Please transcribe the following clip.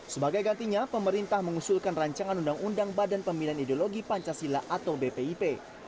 sebagai gantinya pemerintah mengusulkan rancangan undang undang badan pemilihan ideologi pancasila atau bpip